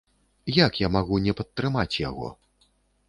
Як я магу не падтрымаць яго?